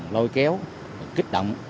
lôi kéo kích động